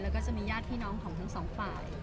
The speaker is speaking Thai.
แล้วก็จะมีญาติพี่น้องของทั้งสองฝ่าย